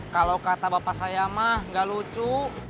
kalau kata bapak saya mah gak lucu